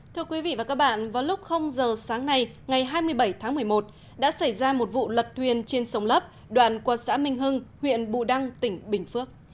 thưa quý vị và các bạn vào lúc giờ sáng nay ngày hai mươi bảy tháng một mươi một đã xảy ra một vụ lật thuyền trên sông lấp đoạn qua xã minh hưng huyện bù đăng tỉnh bình phước